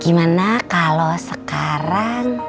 gimana kalau sekarang